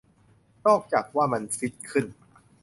นอกจากว่ามันฟิตขึ้น